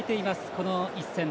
この一戦。